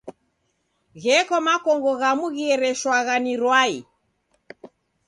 Gheko makongo ghamu ghiereshawagha ni rwai.